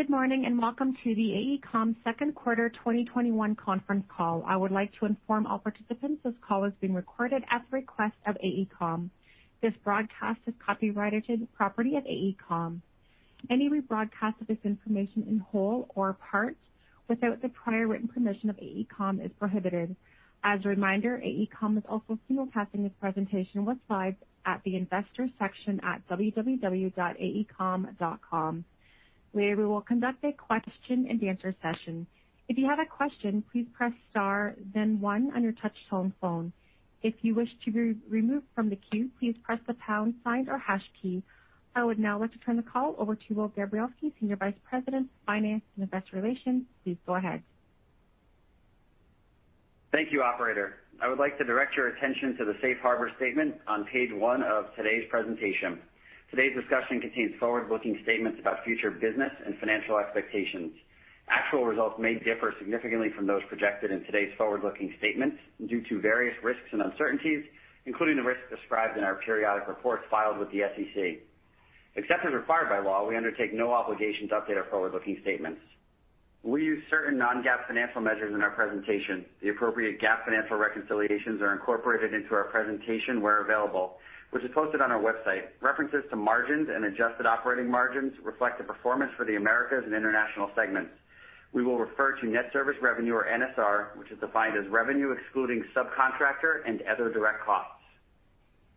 Good morning, and welcome to the AECOM second quarter 2021 conference call. I would like to inform all participants this call is being recorded at the request of AECOM. This broadcast is copyrighted property of AECOM. Any rebroadcast of this information in whole or part without the prior written permission of AECOM is prohibited. As a reminder, AECOM is also simulcasting this presentation with slides at the Investors section at www.aecom.com, where we will conduct a question-and-answer session. If you have a question, please press star then one on your touch-tone phone. If you wish to be removed from the queue, please press the pound sign or hash key. I would now like to turn the call over to Will Gabrielski, Senior Vice President of Finance and Investor Relations. Please go ahead. Thank you, operator. I would like to direct your attention to the safe harbor statement on page one of today's presentation. Today's discussion contains forward-looking statements about future business and financial expectations. Actual results may differ significantly from those projected in today's forward-looking statements due to various risks and uncertainties, including the risks described in our periodic reports filed with the SEC. Except as required by law, we undertake no obligation to update our forward-looking statements. We use certain non-GAAP financial measures in our presentation. The appropriate GAAP financial reconciliations are incorporated into our presentation where available, which is posted on our website. References to margins and adjusted operating margins reflect the performance for the Americas and International segments. We will refer to net service revenue, or NSR, which is defined as revenue excluding subcontractor and other direct costs.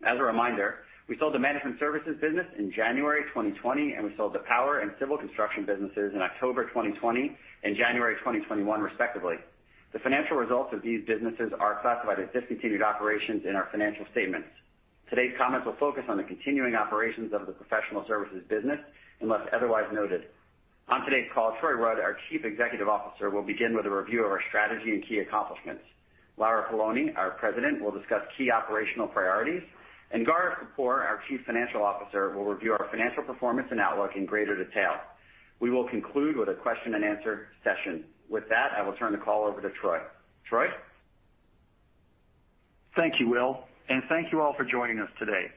As a reminder, we sold the Management Services business in January 2020, and we sold the Power construction business and Civil construction business in October 2020 and January 2021, respectively. The financial results of these businesses are classified as discontinued operations in our financial statements. Today's comments will focus on the continuing operations of the professional services business unless otherwise noted. On today's call, Troy Rudd, our Chief Executive Officer, will begin with a review of our strategy and key accomplishments. Lara Poloni, our President, will discuss key operational priorities, and Gaurav Kapoor, our Chief Financial Officer, will review our financial performance and outlook in greater detail. We will conclude with a question-and-answer session. With that, I will turn the call over to Troy. Troy? Thank you, Will, and thank you all for joining us today.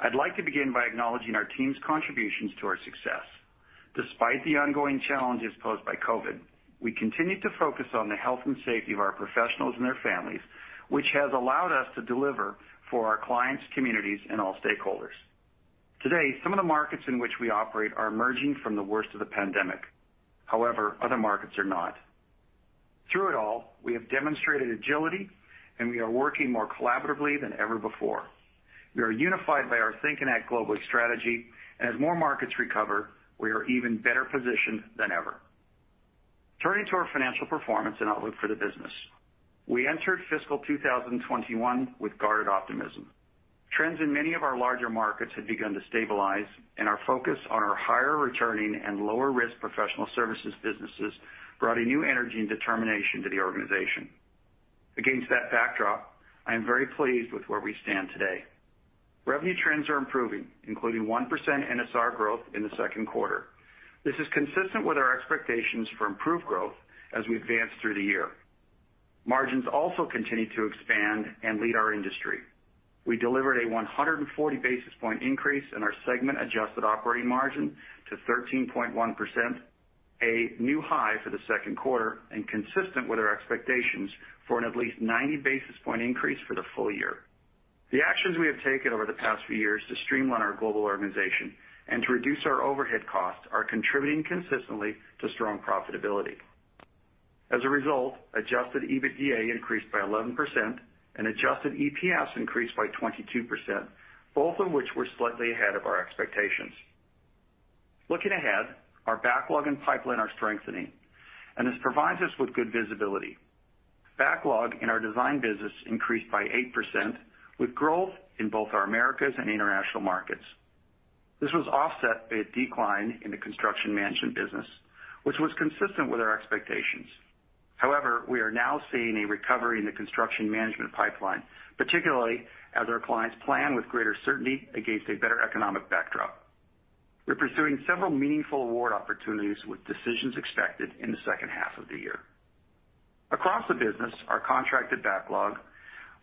I'd like to begin by acknowledging our team's contributions to our success. Despite the ongoing challenges posed by COVID, we continue to focus on the health and safety of our professionals and their families, which has allowed us to deliver for our clients, communities, and all stakeholders. Today, some of the markets in which we operate are emerging from the worst of the pandemic. However, other markets are not. Through it all, we have demonstrated agility, and we are working more collaboratively than ever before. We are unified by our Think and Act Globally strategy, and as more markets recover, we are even better positioned than ever. Turning to our financial performance and outlook for the business. We entered fiscal 2021 with guarded optimism. Trends in many of our larger markets had begun to stabilize. Our focus on our higher-returning and lower-risk professional services businesses brought a new energy and determination to the organization. Against that backdrop, I am very pleased with where we stand today. Revenue trends are improving, including 1% NSR growth in the second quarter. This is consistent with our expectations for improved growth as we advance through the year. Margins also continue to expand and lead our industry. We delivered a 140 basis point increase in our segment adjusted operating margin to 13.1%, a new high for the second quarter, and consistent with our expectations for an at least 90 basis point increase for the full year. The actions we have taken over the past few years to streamline our global organization and to reduce our overhead costs are contributing consistently to strong profitability. As a result, adjusted EBITDA increased by 11% and adjusted EPS increased by 22%, both of which were slightly ahead of our expectations. Looking ahead, our backlog and pipeline are strengthening, and this provides us with good visibility. Backlog in our Design business increased by 8%, with growth in both our Americas and International markets. This was offset by a decline in the Construction Management business, which was consistent with our expectations. However, we are now seeing a recovery in the Construction Management pipeline, particularly as our clients plan with greater certainty against a better economic backdrop. We're pursuing several meaningful award opportunities with decisions expected in the second half of the year. Across the business, our contracted backlog,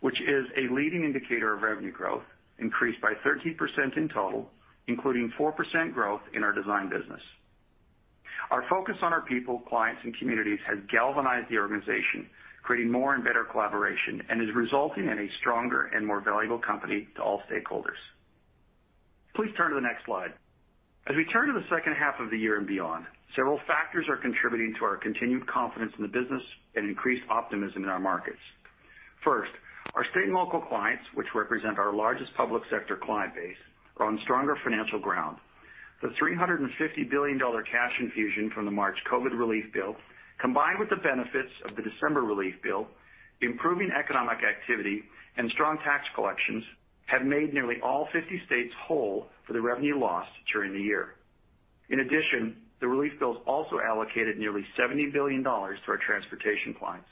which is a leading indicator of revenue growth, increased by 13% in total, including 4% growth in our Design business. Our focus on our people, clients, and communities has galvanized the organization, creating more and better collaboration, and is resulting in a stronger and more valuable company to all stakeholders. Please turn to the next slide. As we turn to the second half of the year and beyond, several factors are contributing to our continued confidence in the business and increased optimism in our markets. First, our state and local clients, which represent our largest public sector client base, are on stronger financial ground. The $350 billion cash infusion from the March COVID relief bill, combined with the benefits of the December relief bill, improving economic activity, and strong tax collections, have made nearly all 50 states whole for the revenue lost during the year. In addition, the relief bills also allocated nearly $70 billion to our transportation clients,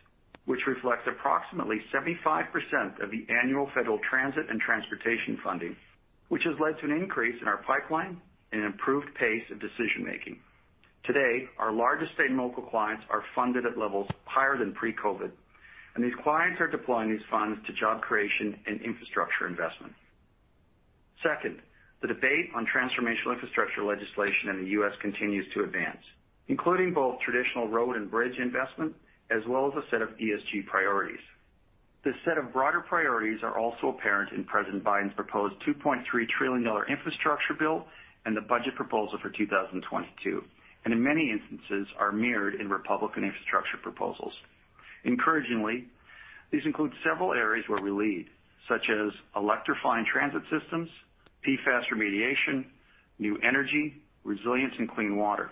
which reflects approximately 75% of the annual federal transit and transportation funding, which has led to an increase in our pipeline and an improved pace of decision-making. Today, our largest state and local clients are funded at levels higher than pre-COVID, and these clients are deploying these funds to job creation and infrastructure investment. Second, the debate on transformational infrastructure legislation in the U.S. continues to advance, including both traditional road and bridge investment, as well as a set of ESG priorities. This set of broader priorities are also apparent in President Biden's proposed $2.3 trillion infrastructure bill, and the budget proposal for 2022, and in many instances are mirrored in Republican infrastructure proposals. Encouragingly, these include several areas where we lead, such as electrifying transit systems, PFAS remediation, new energy, resilience, and clean water.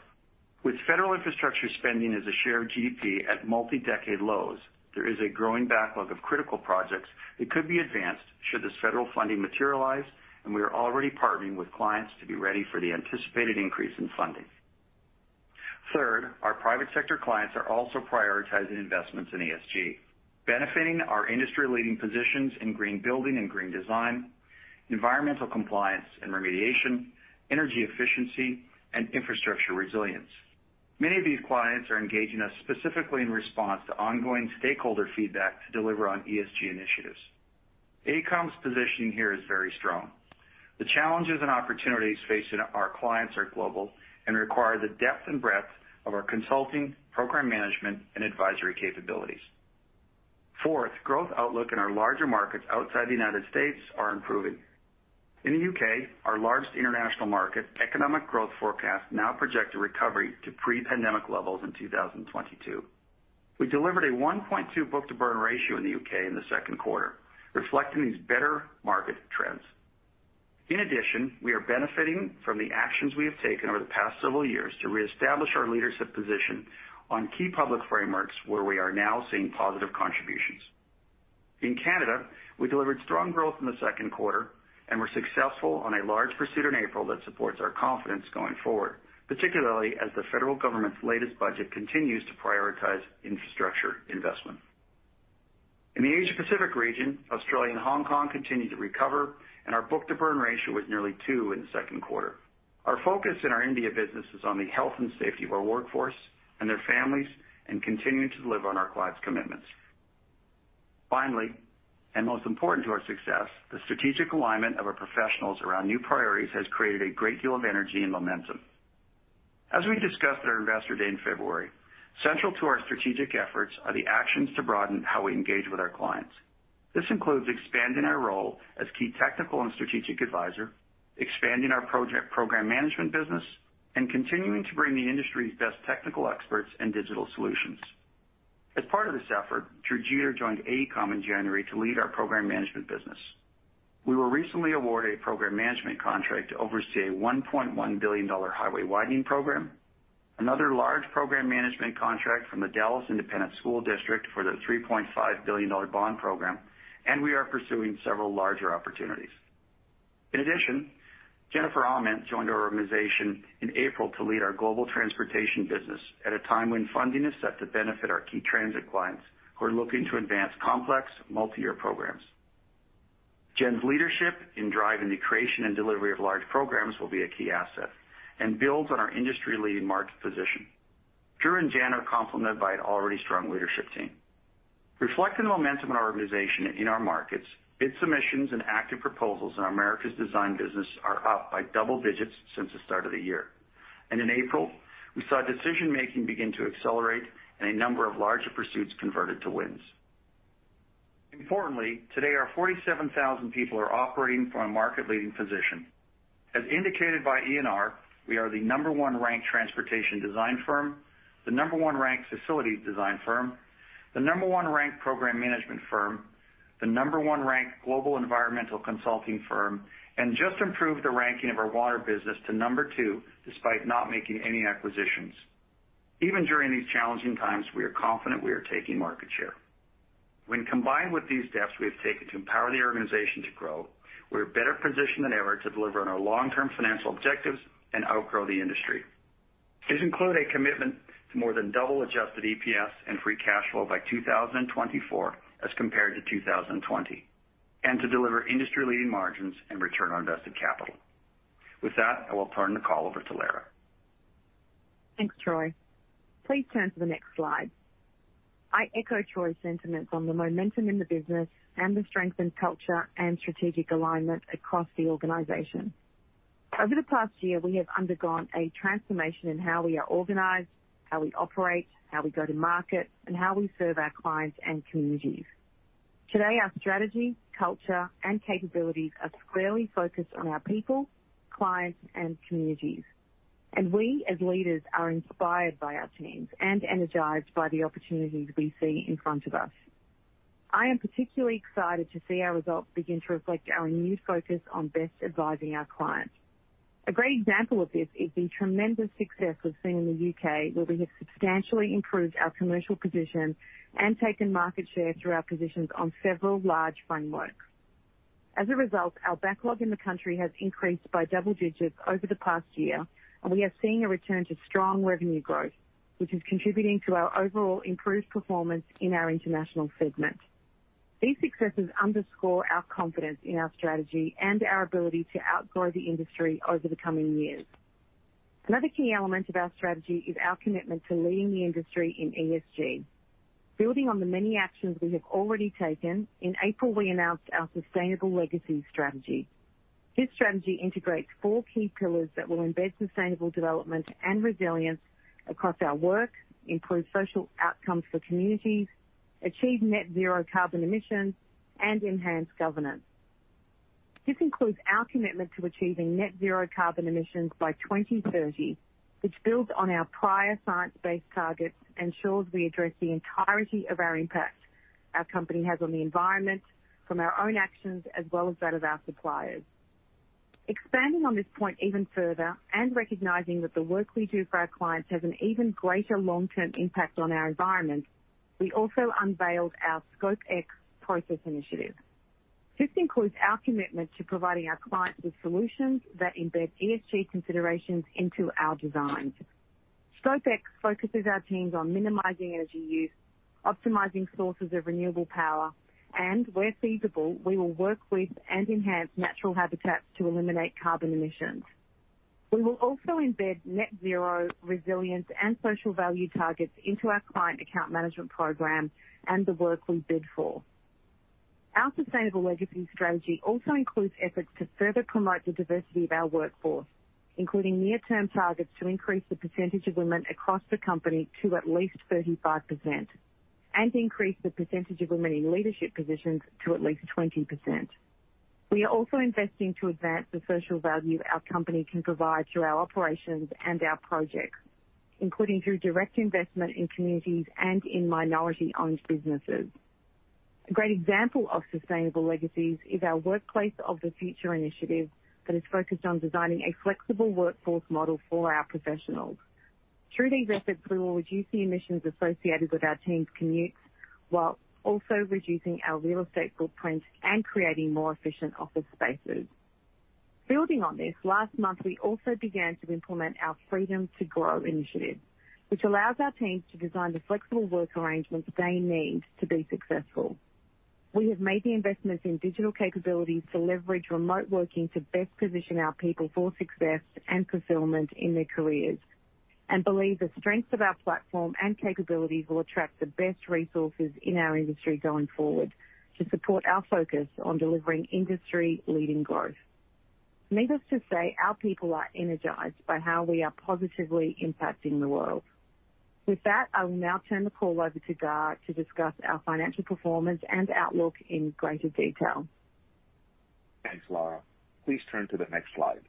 With federal infrastructure spending as a share of GDP at multi-decade lows, there is a growing backlog of critical projects that could be advanced should this federal funding materialize. We are already partnering with clients to be ready for the anticipated increase in funding. Third, our private sector clients are also prioritizing investments in ESG, benefiting our industry-leading positions in green building and green design, environmental compliance and remediation, energy efficiency, and infrastructure resilience. Many of these clients are engaging us specifically in response to ongoing stakeholder feedback to deliver on ESG initiatives. AECOM's positioning here is very strong. The challenges and opportunities facing our clients are global and require the depth and breadth of our consulting, program management, and advisory capabilities. Fourth, growth outlook in our larger markets outside the U.S. are improving. In the U.K., our largest international market, economic growth forecasts now project a recovery to pre-pandemic levels in 2022. We delivered a 1.2 book-to-bill ratio in the U.K. in the second quarter, reflecting these better market trends. In addition, we are benefiting from the actions we have taken over the past several years to reestablish our leadership position on key public frameworks where we are now seeing positive contributions. In Canada, we delivered strong growth in the second quarter and were successful on a large pursuit in April that supports our confidence going forward, particularly as the federal government's latest budget continues to prioritize infrastructure investment. In the Asia Pacific region, Australia and Hong Kong continue to recover, and our book-to-bill ratio was nearly two in the second quarter. Our focus in our India business is on the health and safety of our workforce and their families and continuing to deliver on our clients' commitments. Most important to our success, the strategic alignment of our professionals around new priorities has created a great deal of energy and momentum. As we discussed at our Investor Day in February, central to our strategic efforts are the actions to broaden how we engage with our clients. This includes expanding our role as key technical and strategic advisor, expanding our program management business, and continuing to bring the industry's best technical experts and digital solutions. As part of this effort, Drew Jeter joined AECOM in January to lead our program management business. We were recently awarded a program management contract to oversee a $1.1 billion highway widening program, another large program management contract from the Dallas Independent School District for their $3.5 billion bond program. We are pursuing several larger opportunities. In addition, Jennifer Aument joined our organization in April to lead our global transportation business at a time when funding is set to benefit our key transit clients who are looking to advance complex multi-year programs. Jennifer Aument's leadership in driving the creation and delivery of large programs will be a key asset and builds on our industry-leading market position. Drew Jeter and Jennifer Aument are complemented by an already strong leadership team. Reflecting the momentum in our organization and in our markets, bid submissions and active proposals in our Americas design business are up by double digits since the start of the year. In April, we saw decision-making begin to accelerate and a number of larger pursuits converted to wins. Importantly, today our 47,000 people are operating from a market-leading position. As indicated by ENR, we are the number one-ranked transportation design firm, the number one-ranked facilities design firm, the number one-ranked program management firm, the number one-ranked global environmental consulting firm, and just improved the ranking of our water business to number two, despite not making any acquisitions. Even during these challenging times, we are confident we are taking market share. When combined with these steps we have taken to empower the organization to grow, we are better positioned than ever to deliver on our long-term financial objectives and outgrow the industry. These include a commitment to more than double adjusted EPS and free cash flow by 2024 as compared to 2020, and to deliver industry-leading margins and return on invested capital. With that, I will turn the call over to Lara. Thanks, Troy. Please turn to the next slide. I echo Troy's sentiments on the momentum in the business and the strength in culture and strategic alignment across the organization. Over the past year, we have undergone a transformation in how we are organized, how we operate, how we go to market, and how we serve our clients and communities. Today, our strategy, culture, and capabilities are squarely focused on our people, clients, and communities. We, as leaders, are inspired by our teams and energized by the opportunities we see in front of us. I am particularly excited to see our results begin to reflect our new focus on best advising our clients. A great example of this is the tremendous success we've seen in the U.K., where we have substantially improved our commercial position and taken market share through our positions on several large frameworks. As a result, our backlog in the country has increased by double digits over the past year. We are seeing a return to strong revenue growth, which is contributing to our overall improved performance in our International segment. These successes underscore our confidence in our strategy and our ability to outgrow the industry over the coming years. Another key element of our strategy is our commitment to leading the industry in ESG. Building on the many actions we have already taken, in April, we announced our Sustainable Legacies strategy. This strategy integrates four key pillars that will embed sustainable development and resilience across our work, improve social outcomes for communities, achieve net zero carbon emissions, and enhance governance. This includes our commitment to achieving net zero carbon emissions by 2030, which builds on our prior science-based targets, ensures we address the entirety of our impact our company has on the environment from our own actions as well as that of our suppliers. Expanding on this point even further and recognizing that the work we do for our clients has an even greater long-term impact on our environment, we also unveiled our ScopeX process initiative. This includes our commitment to providing our clients with solutions that embed ESG considerations into our designs. ScopeX focuses our teams on minimizing energy use, optimizing sources of renewable power, and where feasible, we will work with and enhance natural habitats to eliminate carbon emissions. We will also embed net zero resilience and social value targets into our client account management program and the work we bid for. Our Sustainable Legacies strategy also includes efforts to further promote the diversity of our workforce, including near-term targets to increase the percentage of women across the company to at least 35% and increase the percentage of women in leadership positions to at least 20%. We are also investing to advance the social value our company can provide through our operations and our projects, including through direct investment in communities and in minority-owned businesses. A great example of Sustainable Legacies is our Workplace of the Future initiative that is focused on designing a flexible workforce model for our professionals. Through these efforts, we will reduce the emissions associated with our teams' commutes while also reducing our real estate footprint and creating more efficient office spaces. Building on this, last month, we also began to implement our Freedom to Grow initiative, which allows our teams to design the flexible work arrangements they need to be successful. We have made the investments in digital capabilities to leverage remote working to best position our people for success and fulfillment in their careers and believe the strengths of our platform and capabilities will attract the best resources in our industry going forward to support our focus on delivering industry-leading growth. Needless to say, our people are energized by how we are positively impacting the world. With that, I will now turn the call over to Gaurav to discuss our financial performance and outlook in greater detail. Thanks, Lara. Please turn to the next slide.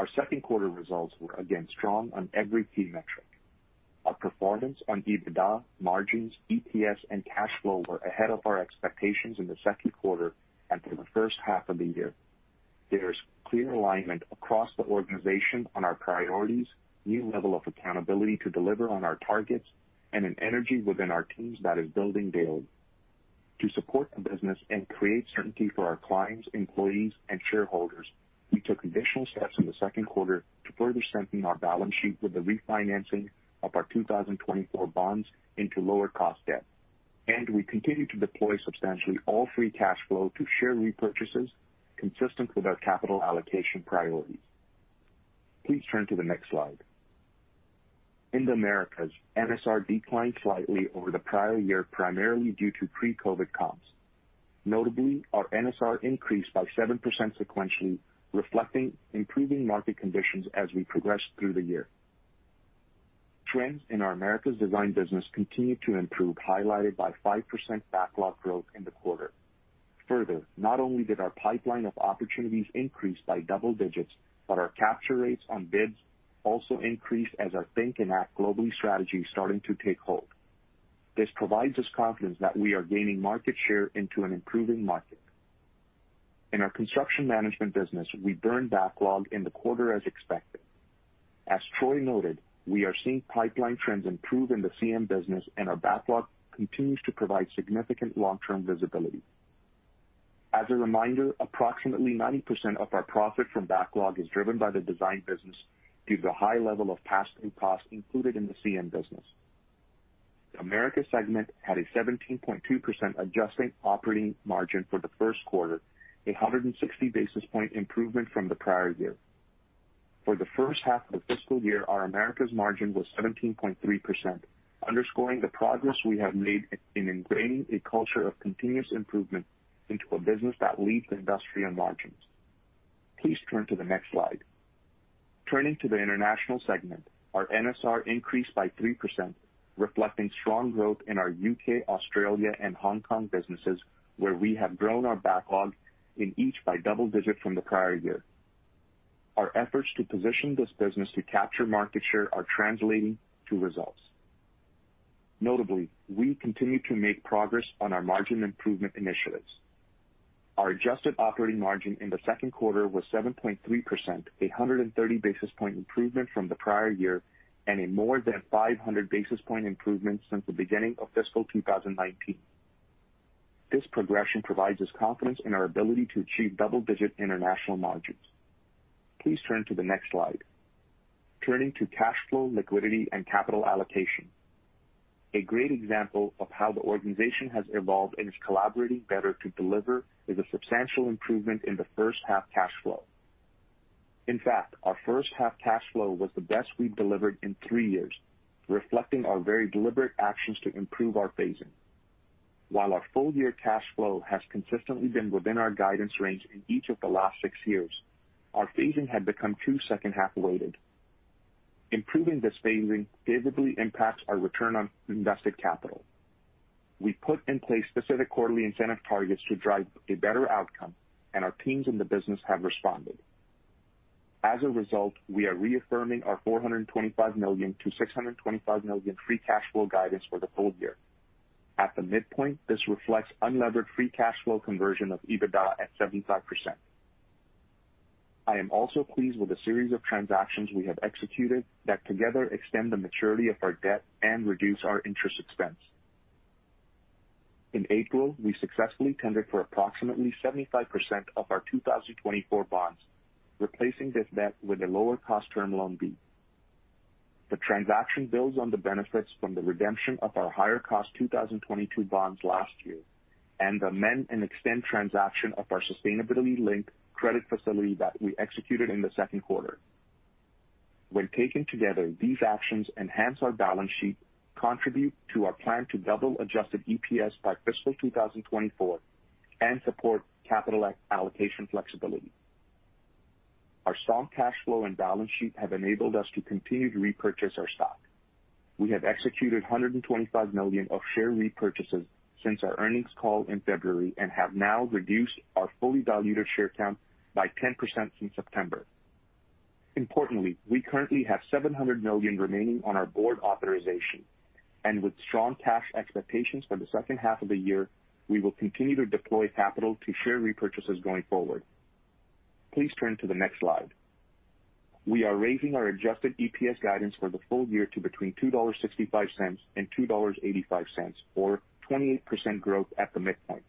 Our second quarter results were again strong on every key metric. Our performance on EBITDA margins, EPS, and cash flow were ahead of our expectations in the second quarter and for the first half of the year. There is clear alignment across the organization on our priorities, new level of accountability to deliver on our targets, and an energy within our teams that is building daily. To support the business and create certainty for our clients, employees, and shareholders, we took additional steps in the second quarter to further strengthen our balance sheet with the refinancing of our 2024 bonds into lower cost debt. We continue to deploy substantially all free cash flow to share repurchases consistent with our capital allocation priorities. Please turn to the next slide. In the Americas, NSR declined slightly over the prior year, primarily due to pre-COVID comps. Notably, our NSR increased by 7% sequentially, reflecting improving market conditions as we progress through the year. Trends in our Americas design business continue to improve, highlighted by 5% backlog growth in the quarter. Further, not only did our pipeline of opportunities increase by double digits, but our capture rates on bids also increased as our Think and Act Globally strategy is starting to take hold. This provides us confidence that we are gaining market share into an improving market. In our construction management business, we burned backlog in the quarter as expected. As Troy noted, we are seeing pipeline trends improve in the CM business, and our backlog continues to provide significant long-term visibility. As a reminder, approximately 90% of our profit from backlog is driven by the design business due to the high level of pass-through costs included in the CM business. The Americas segment had a 17.2% adjusted operating margin for the first quarter, a 160 basis point improvement from the prior year. For the first half of the fiscal year, our Americas margin was 17.3%, underscoring the progress we have made in ingraining a culture of continuous improvement into a business that leads industry and margins. Please turn to the next slide. Turning to the International segment, our NSR increased by 3%, reflecting strong growth in our U.K., Australia, and Hong Kong businesses, where we have grown our backlog in each by double digit from the prior year. Our efforts to position this business to capture market share are translating to results. Notably, we continue to make progress on our margin improvement initiatives. Our adjusted operating margin in the second quarter was 7.3%, a 130 basis point improvement from the prior year, and a more than 500 basis point improvement since the beginning of fiscal 2019. This progression provides us confidence in our ability to achieve double-digit international margins. Please turn to the next slide. Turning to cash flow liquidity and capital allocation. A great example of how the organization has evolved and is collaborating better to deliver is a substantial improvement in the first half cash flow. In fact, our first half cash flow was the best we've delivered in three years, reflecting our very deliberate actions to improve our phasing. While our full year cash flow has consistently been within our guidance range in each of the last six years, our phasing had become too second half weighted. Improving this phasing favorably impacts our return on invested capital. We put in place specific quarterly incentive targets to drive a better outcome, and our teams in the business have responded. We are reaffirming our $425 million-$625 million free cash flow guidance for the full year. At the midpoint, this reflects unlevered free cash flow conversion of EBITDA at 75%. I am also pleased with the series of transactions we have executed that together extend the maturity of our debt and reduce our interest expense. In April, we successfully tendered for approximately 75% of our 2024 bonds, replacing this debt with a lower-cost Term Loan B. The transaction builds on the benefits from the redemption of our higher cost 2022 bonds last year and amend and extend transaction of our sustainability-linked credit facility that we executed in the second quarter. When taken together, these actions enhance our balance sheet, contribute to our plan to double adjusted EPS by fiscal 2024, and support capital allocation flexibility. Our strong cash flow and balance sheet have enabled us to continue to repurchase our stock. We have executed $125 million of share repurchases since our earnings call in February and have now reduced our fully diluted share count by 10% since September. We currently have $700 million remaining on our board authorization, and with strong cash expectations for the second half of the year, we will continue to deploy capital to share repurchases going forward. Please turn to the next slide. We are raising our adjusted EPS guidance for the full year to between $2.65 and $2.85, or 28% growth at the midpoint.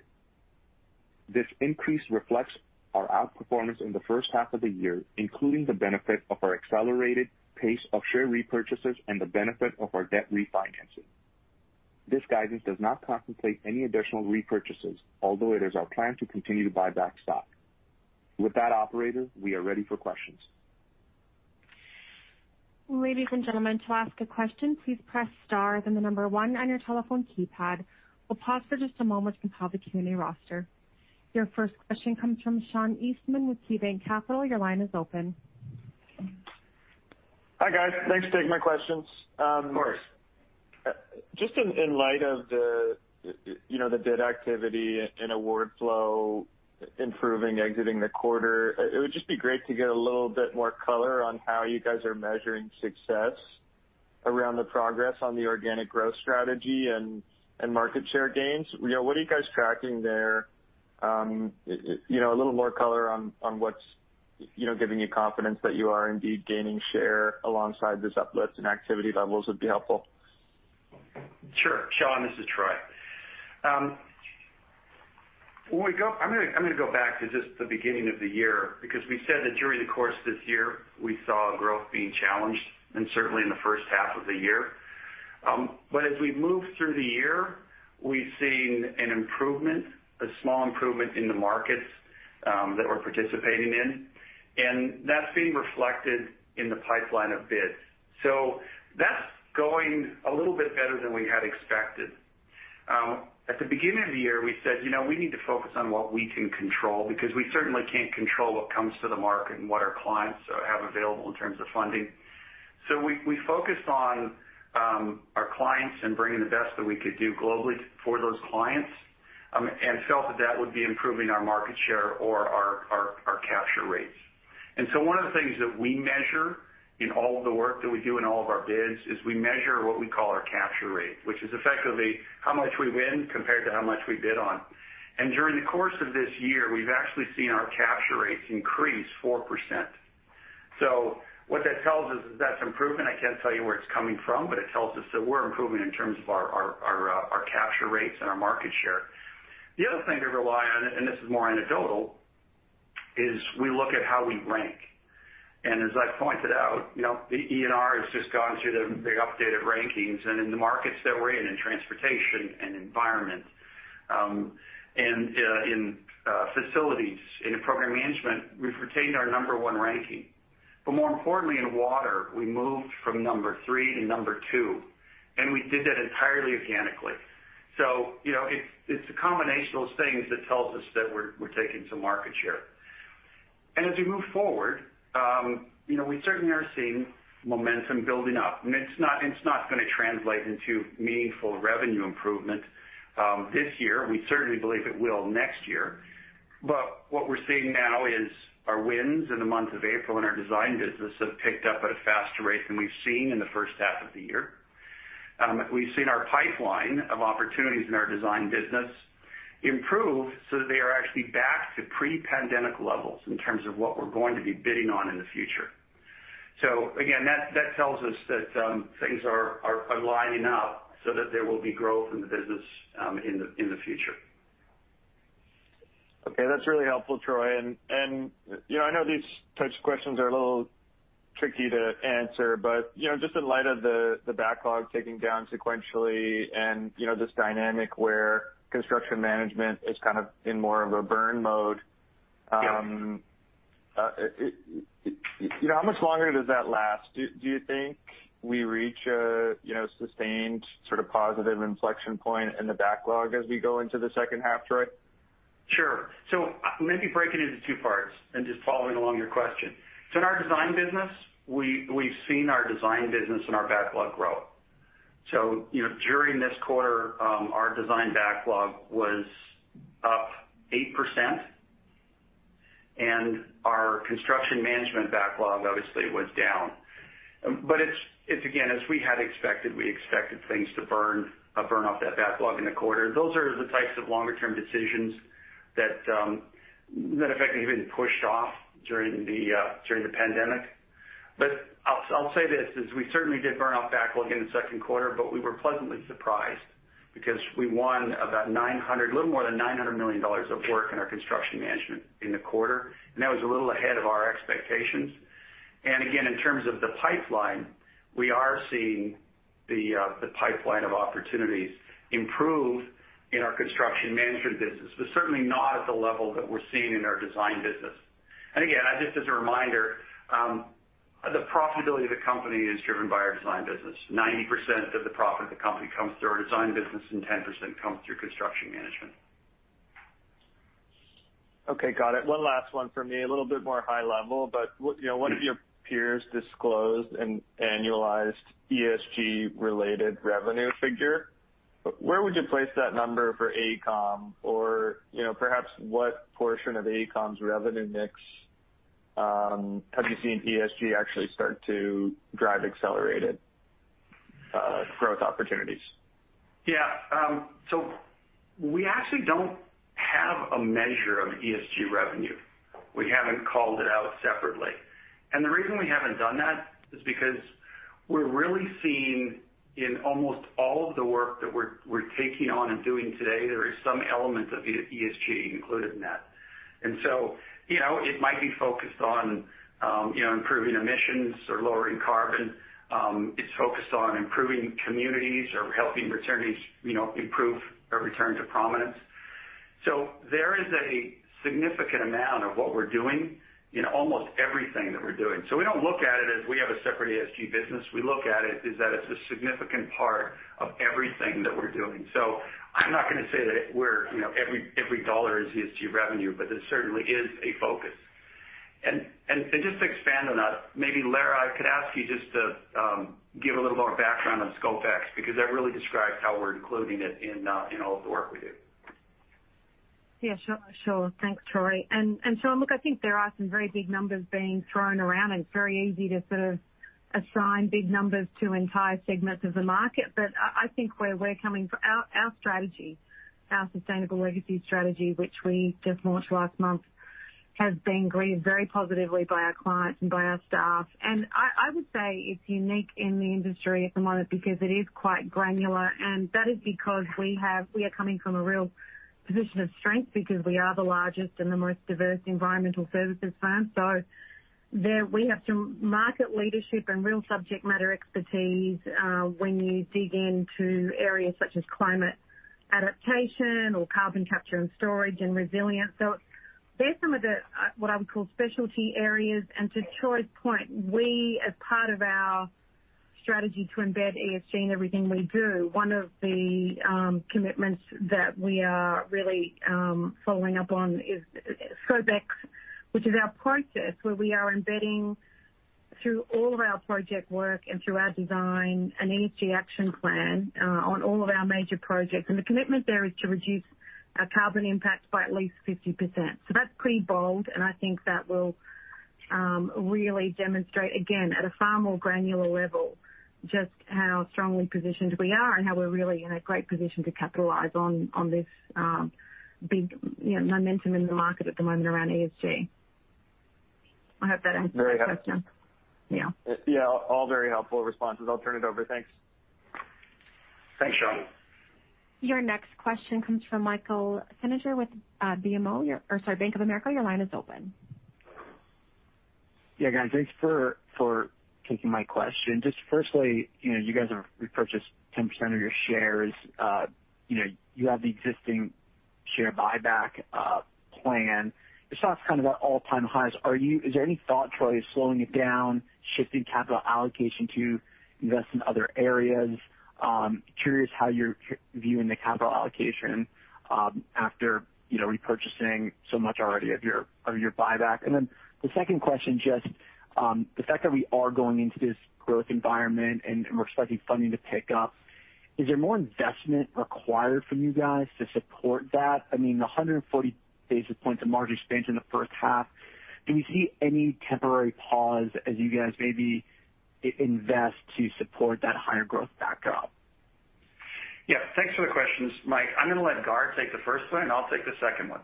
This increase reflects our outperformance in the first half of the year, including the benefit of our accelerated pace of share repurchases and the benefit of our debt refinancing. This guidance does not contemplate any additional repurchases, although it is our plan to continue to buy back stock. With that, operator, we are ready for questions. Ladies and gentlemen, to ask a question, please press star, then the number one on your telephone keypad. We'll pause for just a moment to compile the Q&A roster. Your first question comes from Sean Eastman with KeyBanc Capital. Your line is open. Hi, guys. Thanks, take my questions. Of course. Just in light of the bid activity and award flow improving exiting the quarter, it would just be great to get a little bit more color on how you guys are measuring success around the progress on the organic growth strategy and market share gains. What are you guys tracking there? A little more color on what's giving you confidence that you are indeed gaining share alongside this uplift in activity levels would be helpful. Sure. Sean, this is Troy. I'm going to go back to just the beginning of the year because we said that during the course of this year we saw growth being challenged and certainly in the first half of the year. As we've moved through the year, we've seen an improvement, a small improvement in the markets that we're participating in, and that's being reflected in the pipeline of bids. That's going a little bit better than we had expected. At the beginning of the year, we said we need to focus on what we can control because we certainly can't control what comes to the market and what our clients have available in terms of funding. We focused on our clients and bringing the best that we could do globally for those clients and felt that that would be improving our market share or our capture rates. One of the things that we measure in all of the work that we do in all of our bids is we measure what we call our capture rate, which is effectively how much we win compared to how much we bid on. During the course of this year, we've actually seen our capture rates increase 4%. What that tells us is that's improvement. I can't tell you where it's coming from, but it tells us that we're improving in terms of our capture rates and our market share. The other thing to rely on, and this is more anecdotal, is we look at how we rank. As I pointed out, the ENR has just gone through the updated rankings. In the markets that we're in transportation and environment, in facilities and in program management, we've retained our number one ranking. More importantly, in water, we moved from number three to number two, and we did that entirely organically. It's a combination of those things that tells us that we're taking some market share. As we move forward, we certainly are seeing momentum building up. It's not going to translate into meaningful revenue improvement this year. We certainly believe it will next year. What we're seeing now is our wins in the month of April in our design business have picked up at a faster rate than we've seen in the first half of the year. We've seen our pipeline of opportunities in our design business improve so that they are actually back to pre-pandemic levels in terms of what we're going to be bidding on in the future. Again, that tells us that things are lining up so that there will be growth in the business in the future. Okay. That's really helpful, Troy. I know these types of questions are a little tricky to answer, but just in light of the backlog ticking down sequentially and this dynamic where construction management is in more of a burn mode. Yeah How much longer does that last? Do you think we reach a sustained sort of positive inflection point in the backlog as we go into the second half, Troy? Sure. Maybe break it into two parts and just following along your question. In our design business, we've seen our design business and our backlog grow. During this quarter, our design backlog was up 8%, and our construction management backlog obviously was down. It's again, as we had expected. We expected things to burn off that backlog in the quarter. Those are the types of longer-term decisions that effectively have been pushed off during the pandemic. I'll say this, is we certainly did burn off backlog in the second quarter, but we were pleasantly surprised because we won a little more than $900 million of work in our construction management in the quarter, and that was a little ahead of our expectations. Again, in terms of the pipeline, we are seeing the pipeline of opportunities improve in our construction management business, but certainly not at the level that we're seeing in our design business. Again, just as a reminder, the profitability of the company is driven by our design business. 90% of the profit of the company comes through our design business, and 10% comes through construction management. Okay, got it. One last one from me, a little bit more high level, but one of your peers disclosed an annualized ESG-related revenue figure. Where would you place that number for AECOM? Or perhaps what portion of AECOM's revenue mix have you seen ESG actually start to drive accelerated growth opportunities? We actually don't have a measure of ESG revenue. We haven't called it out separately. The reason we haven't done that is because we're really seeing in almost all of the work that we're taking on and doing today, there is some element of ESG included in that. It might be focused on improving emissions or lowering carbon. It's focused on improving communities or helping returnees improve or return to prominence. There is a significant amount of what we're doing in almost everything that we're doing. We don't look at it as we have a separate ESG business. We look at it is that it's a significant part of everything that we're doing. I'm not going to say that every dollar is ESG revenue, but it certainly is a focus. Just to expand on that, maybe, Lara, I could ask you just to give a little more background on ScopeX, because that really describes how we're including it in all of the work we do. Yeah, sure. Thanks, Troy. Sean, look, I think there are some very big numbers being thrown around, and it's very easy to sort of assign big numbers to entire segments of the market. I think where we're coming from, our strategy, our Sustainable Legacies strategy, which we just launched last month, has been greeted very positively by our clients and by our staff. I would say it's unique in the industry at the moment because it is quite granular, and that is because we are coming from a real position of strength because we are the largest and the most diverse environmental services firm. There we have some market leadership and real subject matter expertise, when you dig into areas such as climate adaptation or carbon capture and storage, and resilience. They're some of the, what I would call specialty areas. To Troy's point, we, as part of our strategy to embed ESG in everything we do, one of the commitments that we are really following up on is ScopeX, which is our process where we are embedding through all of our project work and through our design, an ESG action plan on all of our major projects. The commitment there is to reduce our carbon impact by at least 50%. That's pretty bold, and I think that will really demonstrate, again, at a far more granular level, just how strongly positioned we are and how we're really in a great position to capitalize on this big momentum in the market at the moment around ESG. I hope that answers your question. Very helpful. Yeah. Yeah, all very helpful responses. I'll turn it over. Thanks. Thanks, Sean. Your next question comes from Michael Feniger with BMO, or sorry, Bank of America. Your line is open. Yeah, guys. Thanks for taking my question. Just firstly, you guys have repurchased 10% of your shares. You have the existing share buyback plan. Your stock's kind of at all-time high. Is there any thought, Troy, of slowing it down, shifting capital allocation to invest in other areas? Curious how you're viewing the capital allocation after repurchasing so much already of your buyback. The second question, just the fact that we are going into this growth environment and we're expecting funding to pick up, is there more investment required from you guys to support that? I mean, the 140 basis points of margin expansion in the first half, do we see any temporary pause as you guys maybe invest to support that higher growth backup? Yeah. Thanks for the questions, Mike. I'm going to let Gaurav take the first one, and I'll take the second one.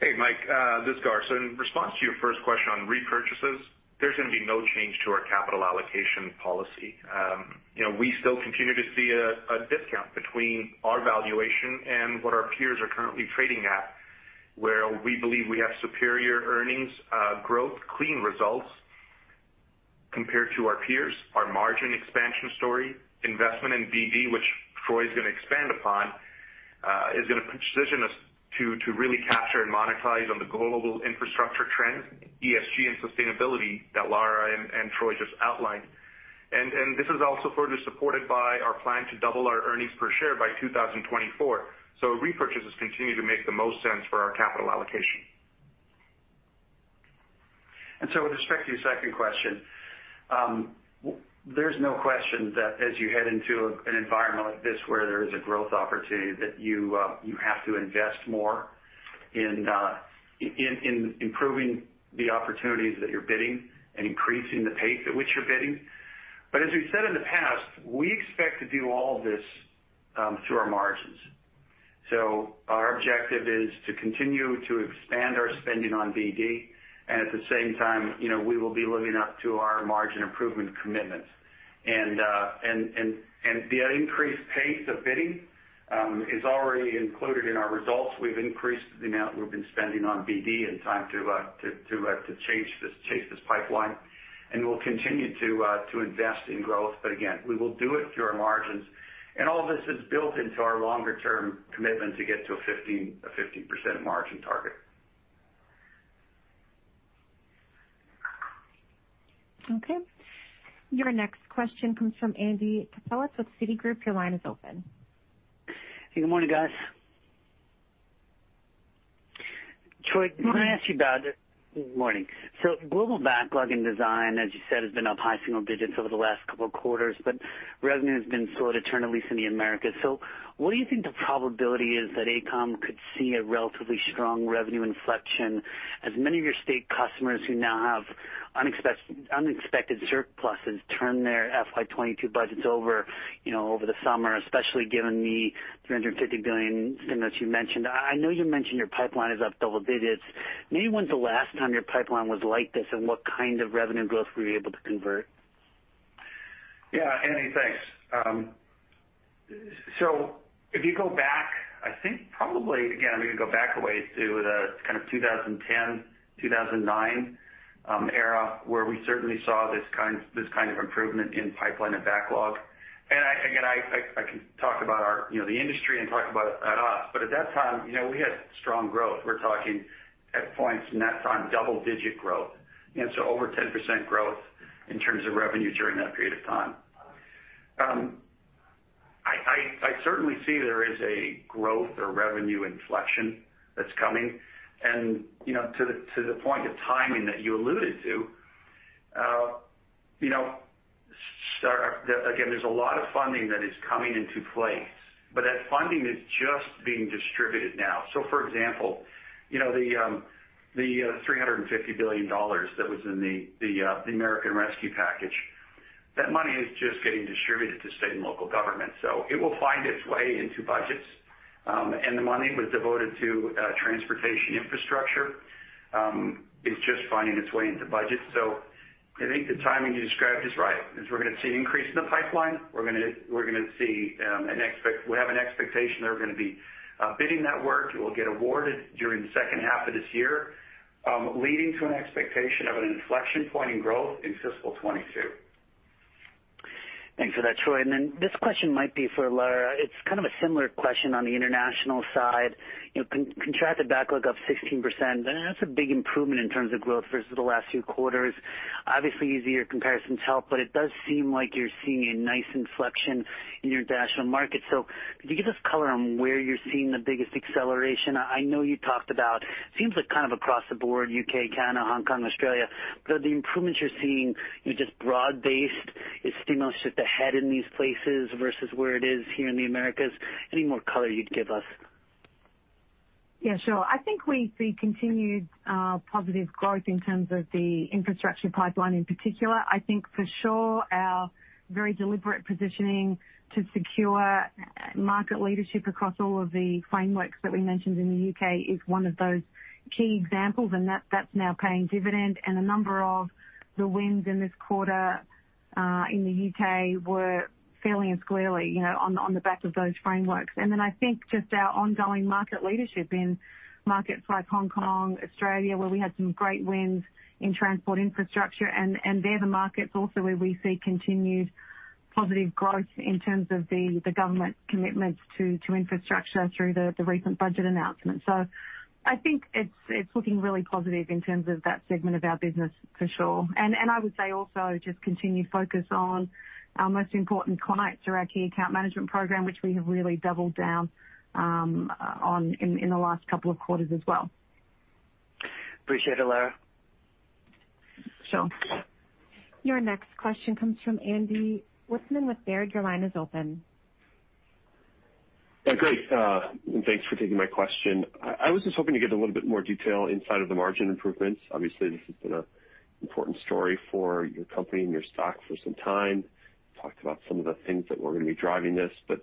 Hey, Mike, this is Gaurav. In response to your first question on repurchases, there's going to be no change to our capital allocation policy. We still continue to see a discount between our valuation and what our peers are currently trading at, where we believe we have superior earnings growth, clean results compared to our peers, our margin expansion story, investment in BD, which Troy is going to expand upon, is going to position us to really capture and monetize on the global infrastructure trends, ESG, and sustainability that Lara and Troy just outlined. This is also further supported by our plan to double our EPS by 2024. Repurchases continue to make the most sense for our capital allocation. With respect to your second question, there's no question that as you head into an environment like this where there is a growth opportunity that you have to invest more in improving the opportunities that you're bidding and increasing the pace at which you're bidding. As we've said in the past, we expect to do all of this through our margins. Our objective is to continue to expand our spending on BD, and at the same time, we will be living up to our margin improvement commitments. The increased pace of bidding is already included in our results. We've increased the amount we've been spending on BD in time to chase this pipeline, and we'll continue to invest in growth. Again, we will do it through our margins. All this is built into our longer-term commitment to get to a 15% margin target. Okay. Your next question comes from Andy Kaplowitz with Citigroup. Your line is open. Good morning, guys. Troy, can I ask you about it? Good morning. Global backlog in design, as you said, has been up high single digits over the last couple of quarters, but revenue has been slow to turn, at least in the Americas. What do you think the probability is that AECOM could see a relatively strong revenue inflection as many of your state customers who now have unexpected surpluses turn their FY 2022 budgets over the summer, especially given the $350 billion spend that you mentioned? I know you mentioned your pipeline is up double digits. When's the last time your pipeline was like this, and what kind of revenue growth were you able to convert? Yeah. Andy, thanks. If you go back, I think probably, again, we can go back a ways to the kind of 2010, 2009 era, where we certainly saw this kind of improvement in pipeline and backlog. Again, I can talk about the industry and talk about us, but at that time we had strong growth. We're talking at points in that time double-digit growth, over 10% growth in terms of revenue during that period of time. I certainly see there is a growth or revenue inflection that's coming. To the point of timing that you alluded to, again, there's a lot of funding that is coming into place, but that funding is just being distributed now. For example, the $350 billion that was in the American rescue package, that money is just getting distributed to state and local government. It will find its way into budgets. The money was devoted to transportation infrastructure, is just finding its way into budgets. I think the timing you described is right, is we're going to see an increase in the pipeline. We have an expectation that we're going to be bidding that work. It will get awarded during the second half of this year, leading to an expectation of an inflection point in growth in fiscal 2022. Thanks for that, Troy. This question might be for Lara. It's kind of a similar question on the International side. Contracted backlog up 16%, and that's a big improvement in terms of growth versus the last few quarters. Obviously, easier comparisons help, but it does seem like you're seeing a nice inflection in your international markets. Could you give us color on where you're seeing the biggest acceleration? I know you talked about, seems like kind of across the board, U.K., Canada, Hong Kong, Australia. Are the improvements you're seeing, just broad-based? Is stimulus just ahead in these places versus where it is here in the Americas? Any more color you'd give us? Yeah, sure. I think we see continued positive growth in terms of the infrastructure pipeline in particular. I think for sure our very deliberate positioning to secure market leadership across all of the frameworks that we mentioned in the U.K. is one of those key examples, and that's now paying dividend. A number of the wins in this quarter in the U.K. were fairly and squarely on the back of those frameworks. I think just our ongoing market leadership in markets like Hong Kong, Australia, where we had some great wins in transport infrastructure, and they're the markets also where we see continued positive growth in terms of the government commitments to infrastructure through the recent budget announcement. I think it's looking really positive in terms of that segment of our business for sure. I would say also just continued focus on our most important clients through our key account management program, which we have really doubled down on in the last couple of quarters as well. Appreciate it, Lara. Sure. Your next question comes from Andy Wittmann with Baird. Your line is open. Great. Thanks for taking my question. I was just hoping to get a little bit more detail inside of the margin improvements. Obviously, this has been an important story for your company and your stock for some time. Talked about some of the things that were going to be driving this, but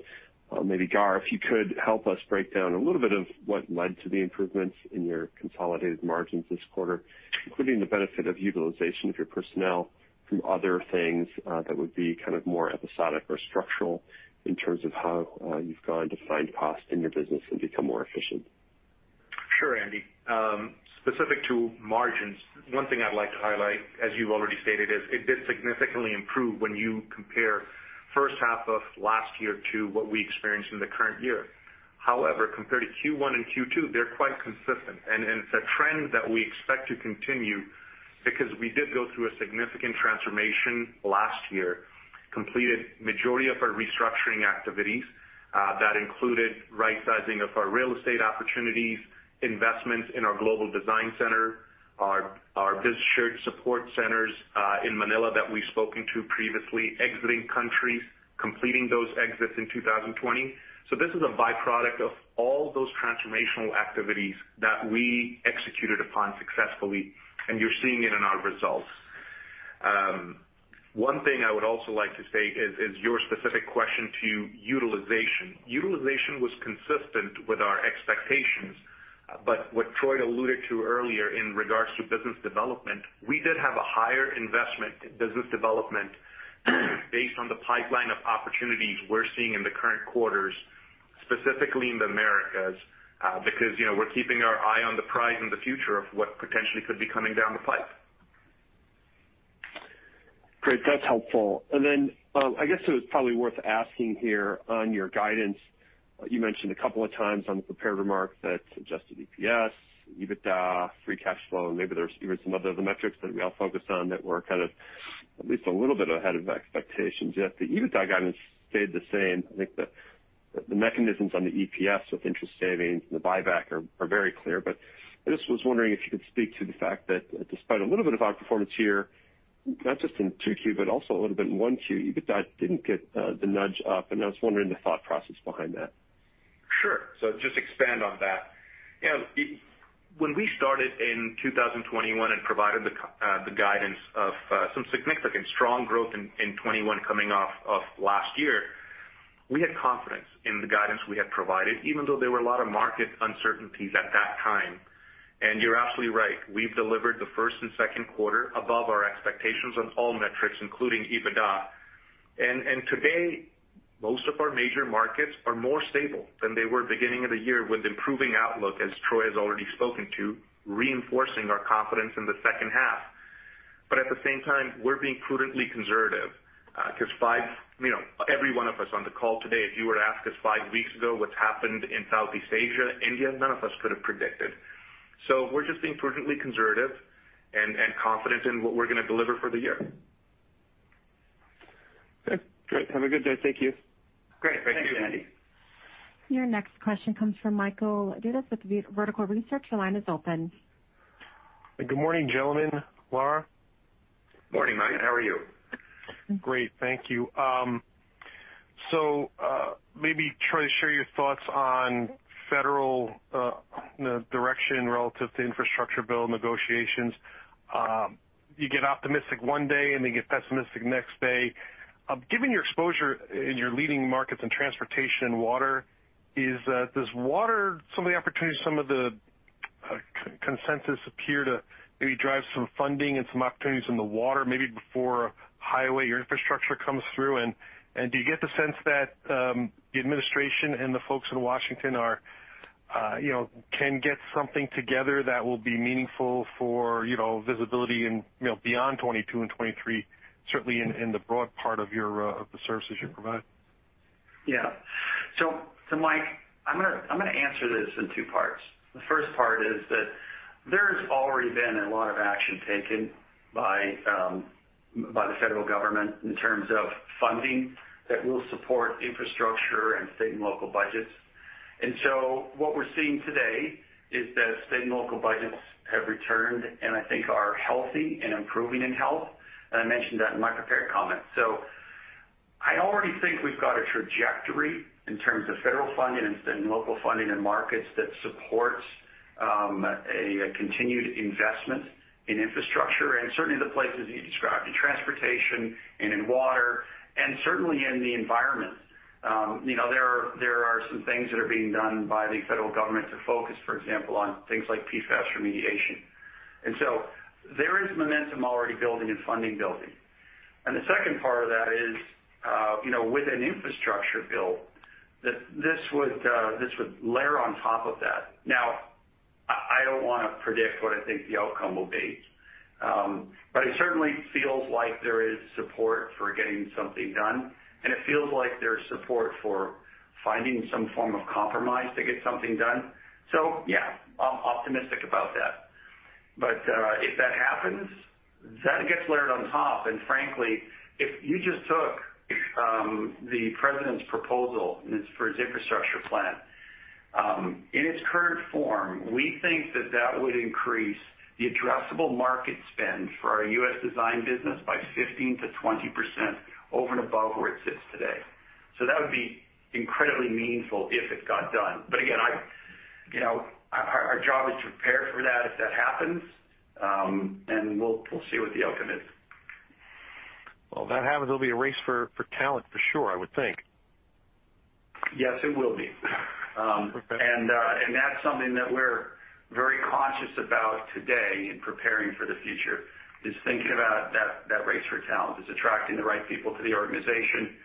maybe, Gaurav, if you could help us break down a little bit of what led to the improvements in your consolidated margins this quarter, including the benefit of utilization of your personnel from other things that would be kind of more episodic or structural in terms of how you've gone to find cost in your business and become more efficient. Sure, Andy. Specific to margins, one thing I'd like to highlight, as you've already stated, is it did significantly improve when you compare the first half of last year to what we experienced in the current year. However, compared to Q1 and Q2, they're quite consistent, and it's a trend that we expect to continue because we did go through a significant transformation last year, completed the majority of our restructuring activities. That included rightsizing of our real estate opportunities, investments in our Global Design Center, our Business Shared Support Centers in Manila that we've spoken to previously, exiting countries, completing those exits in 2020. This is a byproduct of all those transformational activities that we executed upon successfully, and you're seeing it in our results. One thing I would also like to say is your specific question to utilization. Utilization was consistent with our expectations. What Troy alluded to earlier in regards to business development, we did have a higher investment in business development based on the pipeline of opportunities we're seeing in the current quarters, specifically in the Americas, because we're keeping our eye on the prize in the future of what potentially could be coming down the pipe. Great. That's helpful. Then, I guess it was probably worth asking here on your guidance, you mentioned a couple of times on the prepared remarks that adjusted EPS, EBITDA, free cash flow, and maybe there's even some other metrics that we all focus on that were kind of at least a little bit ahead of expectations, yet the EBITDA guidance stayed the same. I think the mechanisms on the EPS with interest savings and the buyback are very clear. I just was wondering if you could speak to the fact that despite a little bit of outperformance here, not just in 2Q, but also a little bit in 1Q, EBITDA didn't get the nudge up, and I was wondering the thought process behind that. Sure. Just expand on that. When we started in 2021 and provided the guidance of some significant strong growth in 2021 coming off of last year, we had confidence in the guidance we had provided, even though there were a lot of market uncertainties at that time. You're absolutely right. We've delivered the first and second quarter above our expectations on all metrics, including EBITDA. Today, most of our major markets are more stable than they were at the beginning of the year with improving outlook, as Troy has already spoken to, reinforcing our confidence in the second half. At the same time, we're being prudently conservative. Because every one of us on the call today, if you were to ask us five weeks ago what's happened in Southeast Asia, India, none of us could have predicted. We're just being prudently conservative and confident in what we're going to deliver for the year. Okay, great. Have a good day. Thank you. Great. Thank you, Andy. Your next question comes from Michael Dudas with Vertical Research. Your line is open. Good morning, gentlemen. Lara. Morning, Mike. How are you? Great. Thank you. Maybe Troy, share your thoughts on federal direction relative to infrastructure bill negotiations. You get optimistic one day and then get pessimistic the next day. Given your exposure in your leading markets in transportation and water, some of the opportunities, some of the consensus appear to maybe drive some funding and some opportunities in the water maybe before highway or infrastructure comes through. Do you get the sense that the administration and the folks in Washington can get something together that will be meaningful for visibility beyond 2022 and 2023, certainly in the broad part of the services you provide? Yeah. Mike, I'm going to answer this in two parts. The first part is that there has already been a lot of action taken by the federal government in terms of funding that will support infrastructure and state and local budgets. What we're seeing today is that state and local budgets have returned and I think are healthy and improving in health, and I mentioned that in my prepared comments. I already think we've got a trajectory in terms of federal funding and state and local funding and markets that support a continued investment in infrastructure and certainly the places you described, in transportation and in water, and certainly in the environment. There are some things that are being done by the federal government to focus, for example, on things like PFAS remediation. There is momentum already building and funding building. The second part of that is, with an infrastructure bill, that this would layer on top of that. I don't want to predict what I think the outcome will be. It certainly feels like there is support for getting something done, and it feels like there's support for finding some form of compromise to get something done. Yeah, I'm optimistic about that. If that happens, that gets layered on top, and frankly, if you just took the president's proposal for his infrastructure plan In its current form, we think that that would increase the addressable market spend for our U.S. design business by 15%-20% over and above where it sits today. That would be incredibly meaningful if it got done. Again, our job is to prepare for that if that happens, and we'll see what the outcome is. Well, if that happens, it'll be a race for talent, for sure, I would think. Yes, it will be. Okay. That's something that we're very conscious about today in preparing for the future, is thinking about that race for talent, is attracting the right people to the organization.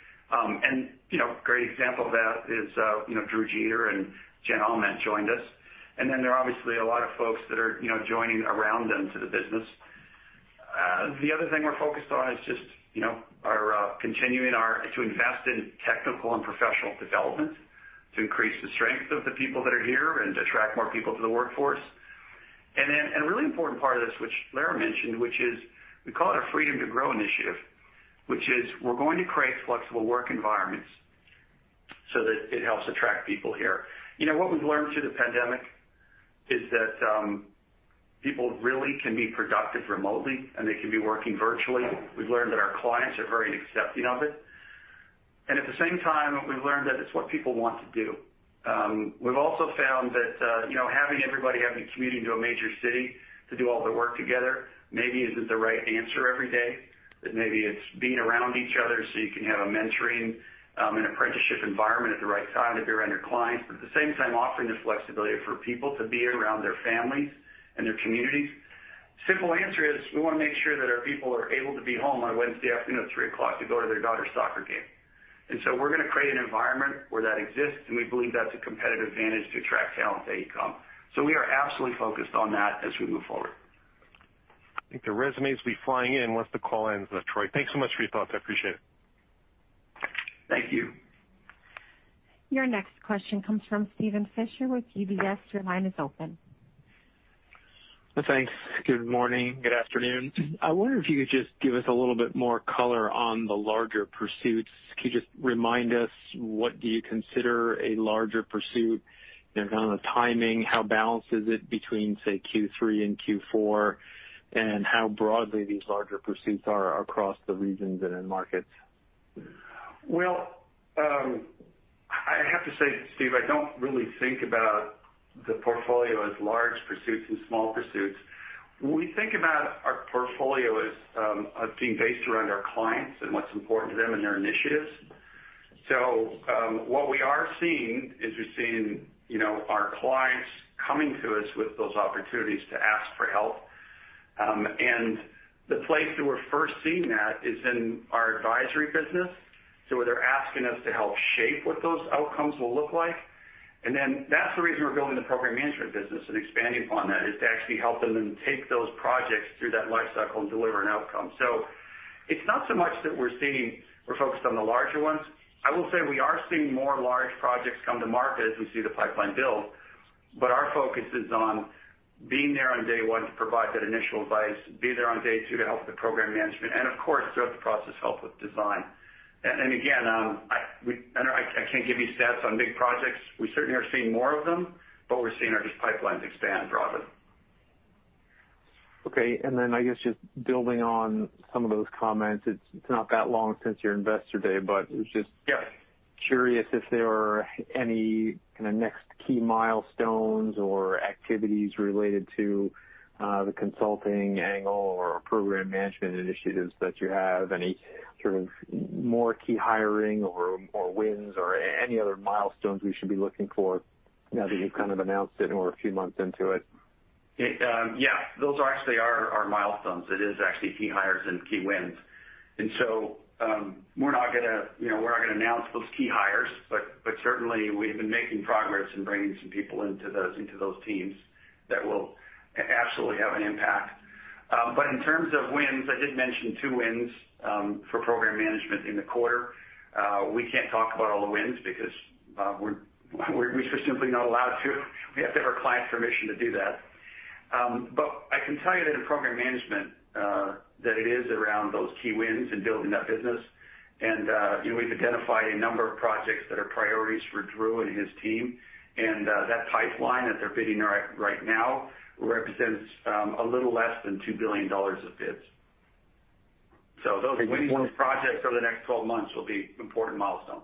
A great example of that is Drew Jeter and Jennifer Aument joined us. There are obviously a lot of folks that are joining around them to the business. The other thing we're focused on is just continuing to invest in technical and professional development to increase the strength of the people that are here and to attract more people to the workforce. A really important part of this, which Lara mentioned, which is we call it our Freedom to Grow initiative, which is we're going to create flexible work environments so that it helps attract people here. What we've learned through the pandemic is that people really can be productive remotely, and they can be working virtually. We've learned that our clients are very accepting of it. At the same time, we've learned that it's what people want to do. We've also found that having everybody having to commute into a major city to do all their work together maybe isn't the right answer every day, that maybe it's being around each other so you can have a mentoring and apprenticeship environment at the right time if you're around your clients, but at the same time offering the flexibility for people to be around their families and their communities. Simple answer is we want to make sure that our people are able to be home on a Wednesday afternoon at 3:00 PM to go to their daughter's soccer game. We're going to create an environment where that exists, and we believe that's a competitive advantage to attract talent to AECOM. We are absolutely focused on that as we move forward. I think the resumes will be flying in once the call ends with Troy. Thanks so much for your thoughts. I appreciate it. Thank you. Your next question comes from Steven Fisher with UBS. Your line is open. Thanks. Good morning. Good afternoon. I wonder if you could just give us a little bit more color on the larger pursuits. Could you just remind us what do you consider a larger pursuit in terms of timing? How balanced is it between, say, Q3 and Q4, and how broadly these larger pursuits are across the regions and end markets? Well, I have to say, Steve, I don't really think about the portfolio as large pursuits and small pursuits. We think about our portfolio as being based around our clients and what's important to them and their initiatives. What we are seeing is we're seeing our clients coming to us with those opportunities to ask for help. The place that we're first seeing that is in our advisory business. Where they're asking us to help shape what those outcomes will look like. Then that's the reason we're building the program management business and expanding upon that, is to actually help them then take those projects through that life cycle and deliver an outcome. It's not so much that we're seeing we're focused on the larger ones. I will say we are seeing more large projects come to market as we see the pipeline build, but our focus is on being there on day one to provide that initial advice, be there on day two to help with the program management, and of course, throughout the process, help with design. Again, I can't give you stats on big projects. We certainly are seeing more of them, but we're seeing our just pipelines expand broadly. Okay, I guess just building on some of those comments, it's not that long since your Investor Day. Yeah curious if there are any next key milestones or activities related to the consulting angle or program management initiatives that you have, any sort of more key hiring or wins or any other milestones we should be looking for now that you've kind of announced it and we're a few months into it? Yeah. Those actually are our milestones. It is actually key hires and key wins. We're not going to announce those key hires, but certainly, we've been making progress in bringing some people into those teams that will absolutely have an impact. In terms of wins, I did mention two wins for program management in the quarter. We can't talk about all the wins because we're just simply not allowed to. We have to have our client's permission to do that. I can tell you that in program management, that it is around those key wins and building that business. We've identified a number of projects that are priorities for Drew and his team. That pipeline that they're bidding right now represents a little less than $2 billion of bids. Just one- Projects over the next 12 months will be important milestones.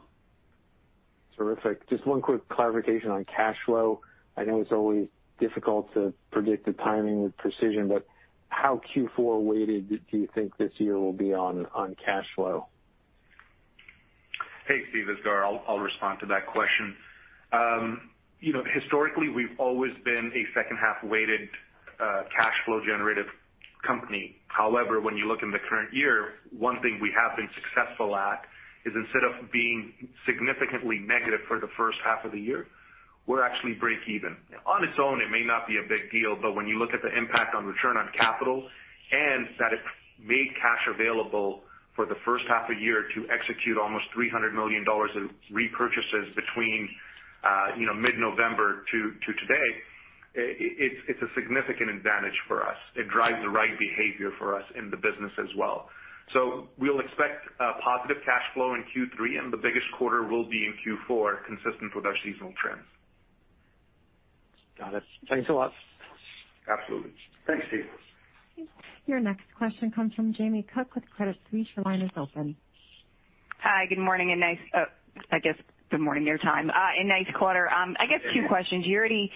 Terrific. Just one quick clarification on cash flow. I know it's always difficult to predict the timing with precision, but how Q4-weighted do you think this year will be on cash flow? Hey, Steve. It's Gaurav. I'll respond to that question. Historically, we've always been a second half-weighted cash flow generative company. When you look in the current year, one thing we have been successful at is instead of being significantly negative for the first half of the year, we're actually break even. On its own, it may not be a big deal, when you look at the impact on return on capital and that it made cash available for the first half of the year to execute almost $300 million of repurchases between mid-November to today, it's a significant advantage for us. It drives the right behavior for us in the business as well. We'll expect a positive cash flow in Q3, and the biggest quarter will be in Q4, consistent with our seasonal trends. Got it. Thanks a lot. Absolutely. Thanks, Steve. Your next question comes from Jamie Cook with Credit Suisse. Your line is open. Hi, good morning, and nice Oh, I guess good morning your time, and nice quarter. I guess two questions. You already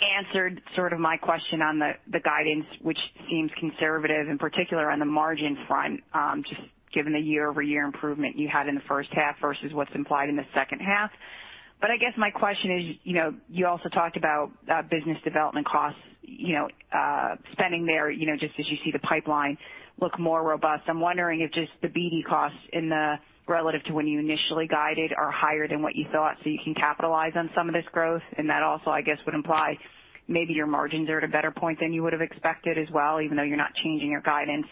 answered sort of my question on the guidance, which seems conservative, in particular on the margin front, just given the year-over-year improvement you had in the first half versus what's implied in the second half. I guess my question is, you also talked about business development costs, spending there, just as you see the pipeline look more robust. I'm wondering if just the BD costs relative to when you initially guided are higher than what you thought, so you can capitalize on some of this growth. That also, I guess, would imply maybe your margins are at a better point than you would've expected as well, even though you're not changing your guidance.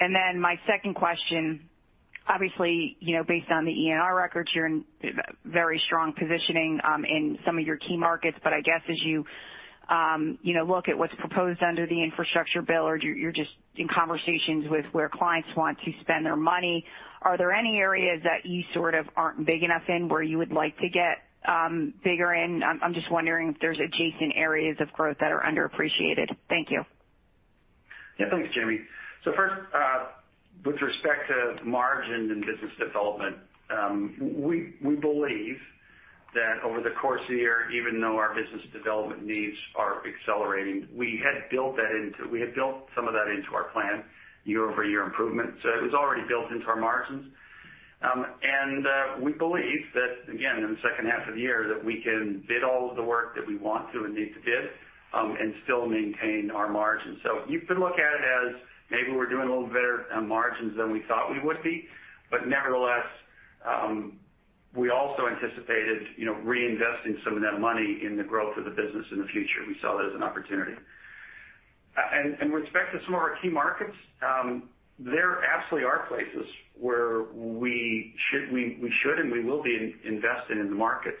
My second question, obviously, based on the ENR records, you're in very strong positioning in some of your key markets. I guess as you look at what's proposed under the infrastructure bill, or you're just in conversations with where clients want to spend their money, are there any areas that you sort of aren't big enough in where you would like to get bigger in? I'm just wondering if there's adjacent areas of growth that are underappreciated. Thank you. Thanks, Jamie. First, with respect to margin and business development, we believe that over the course of the year, even though our business development needs are accelerating, we had built some of that into our plan, year-over-year improvement. It was already built into our margins. We believe that, again, in the second half of the year, that we can bid all of the work that we want to and need to bid, and still maintain our margins. You could look at it as maybe we're doing a little better on margins than we thought we would be. Nevertheless, we also anticipated reinvesting some of that money in the growth of the business in the future. We saw that as an opportunity. With respect to some of our key markets, there absolutely are places where we should and we will be investing in the markets.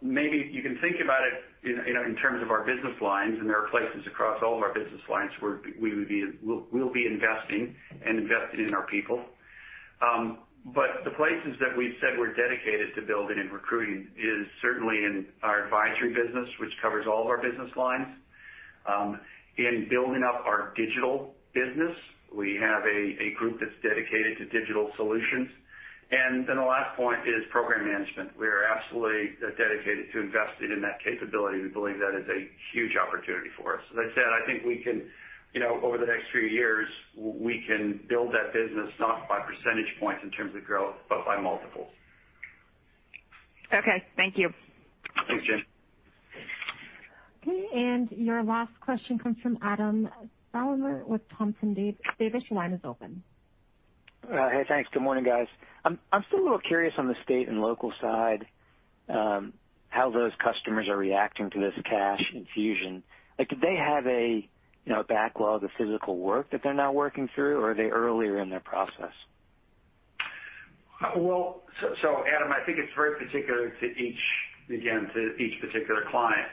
Maybe you can think about it in terms of our business lines, there are places across all of our business lines where we'll be investing and investing in our people. The places that we've said we're dedicated to building and recruiting is certainly in our advisory business, which covers all of our business lines. In building up our digital business, we have a group that's dedicated to digital solutions. Then the last point is Program Management. We are absolutely dedicated to investing in that capability. We believe that is a huge opportunity for us. As I said, I think over the next few years, we can build that business not by percentage points in terms of growth, but by multiples. Okay. Thank you. Thanks, Jamie. Okay. Your last question comes from Adam Thalhimer with Thompson Davis. Your line is open. Hey, thanks. Good morning, guys. I'm still a little curious on the state and local side, how those customers are reacting to this cash infusion. Do they have a backlog of physical work that they're now working through, or are they earlier in their process? Adam, I think it's very particular to each particular client.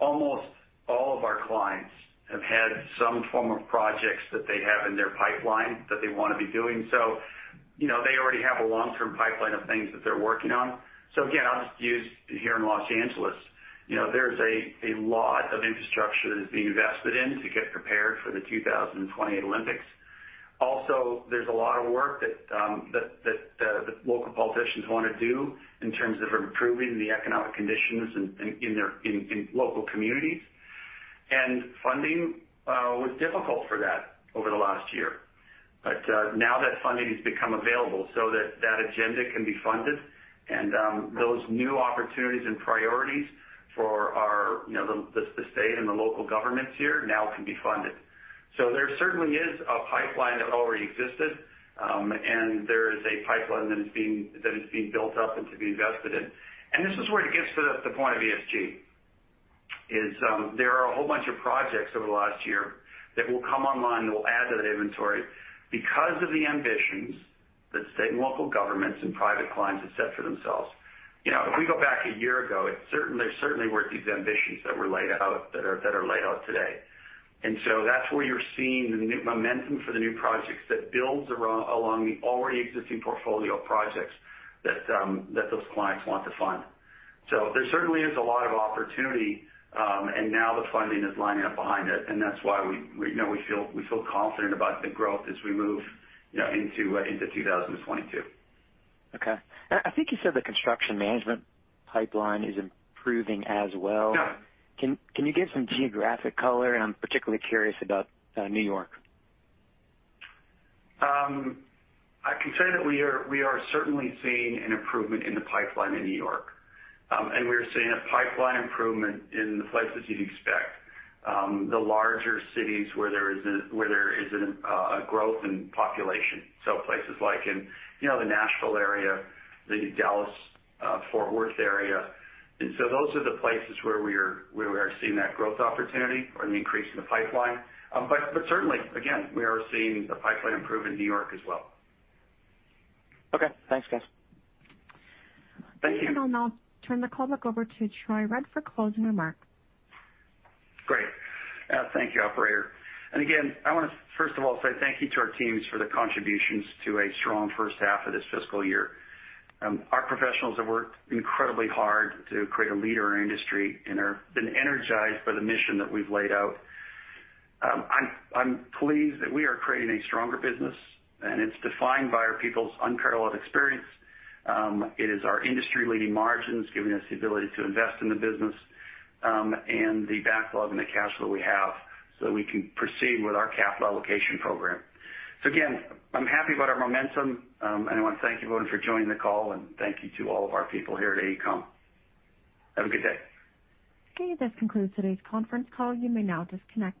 Almost all of our clients have had some form of projects that they have in their pipeline that they want to be doing. They already have a long-term pipeline of things that they're working on. Again, I'll just use here in L.A. There's a lot of infrastructure that is being invested in to get prepared for the 2028 Olympics. There's a lot of work that the local politicians want to do in terms of improving the economic conditions in local communities, and funding was difficult for that over the last year. Now that funding has become available so that that agenda can be funded, and those new opportunities and priorities for the state and the local governments here now can be funded. There certainly is a pipeline that already existed, and there is a pipeline that is being built up and to be invested in. This is where it gets to the point of ESG, is there are a whole bunch of projects over the last year that will come online that will add to that inventory because of the ambitions that state and local governments and private clients have set for themselves. If we go back a year ago, there certainly weren't these ambitions that are laid out today. That's where you're seeing the momentum for the new projects that builds along the already existing portfolio of projects that those clients want to fund. There certainly is a lot of opportunity, and now the funding is lining up behind it, and that's why we feel confident about the growth as we move into 2022. Okay. I think you said the construction management pipeline is improving as well. Yeah. Can you give some geographic color? I'm particularly curious about New York. I can tell you that we are certainly seeing an improvement in the pipeline in New York. We are seeing a pipeline improvement in the places you'd expect. The larger cities where there is a growth in population. Places like in the Nashville area, the Dallas, Fort Worth area. Those are the places where we are seeing that growth opportunity or an increase in the pipeline. Certainly, again, we are seeing the pipeline improve in New York as well. Okay. Thanks, guys. Thank you. I'll now turn the call back over to Troy Rudd for closing remarks. Great. Thank you, operator. Again, I want to first of all say thank you to our teams for the contributions to a strong first half of this fiscal year. Our professionals have worked incredibly hard to create a leader in our industry and are been energized by the mission that we've laid out. I'm pleased that we are creating a stronger business, and it's defined by our people's unparalleled experience. It is our industry-leading margins giving us the ability to invest in the business, and the backlog and the cash flow we have so that we can proceed with our capital allocation program. Again, I'm happy about our momentum. I want to thank you everyone for joining the call, and thank you to all of our people here at AECOM. Have a good day. Okay, this concludes today's conference call. You may now disconnect.